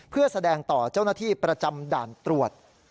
เพื่อแสดงต่อเจ้าหน้าที่ประจำด่านตรวจ